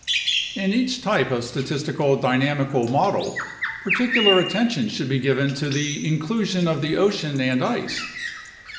In each type of statistical dynamical model, particular attention should be given to the inclusion of the ocean and ice.